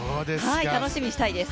楽しみにしたいです。